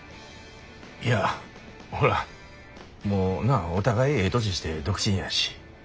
いやほらもうなお互いええ年して独身やしねっ。